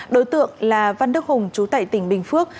đối tượng là văn đức hùng chú tại tỉnh bình phước